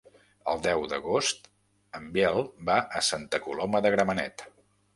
El deu d'agost en Biel va a Santa Coloma de Gramenet.